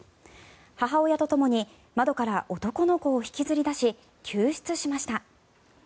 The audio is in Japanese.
母親とともに窓から男の子を引きずり出し救出しました。